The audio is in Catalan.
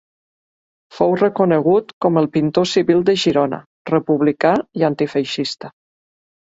Fou reconegut com el pintor civil de Girona, republicà i antifeixista.